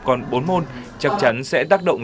còn bốn môn chắc chắn sẽ tác động